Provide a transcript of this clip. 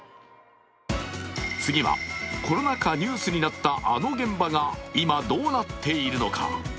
次はコロナ禍ニュースになったあの現場が今、どうなっているのか。